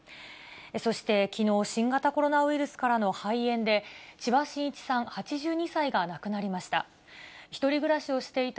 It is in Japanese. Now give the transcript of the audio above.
そしてきのう、新型コロナウイルスからの肺炎で、千葉真一さん８２歳が亡くなりました。